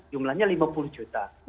jumlahnya lima puluh juta